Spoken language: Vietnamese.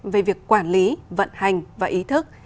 về việc quản lý vận hành và ý thức